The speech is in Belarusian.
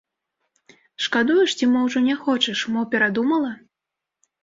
Шкадуеш ці мо ўжо не хочаш, мо перадумала?